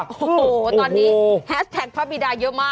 โอ้โหตอนนี้แฮสแท็กพระบิดาเยอะมาก